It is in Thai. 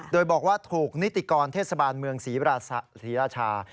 โดยบอกว่าถูกนิติกรเทศบาลเมืองศรีราชา